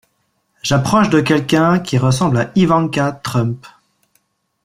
J'approche de quelqu'un qui ressemble à Ivanka Trump.